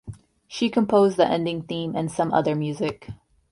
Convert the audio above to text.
She composed the ending theme and some other music.